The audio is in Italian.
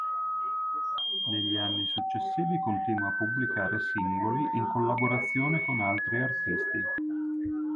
Negli anni successivi continua a pubblicare singoli in collaborazione con altri artisti.